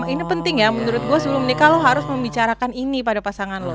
ini penting ya menurut gue sebelum nih kalau harus membicarakan ini pada pasangan lo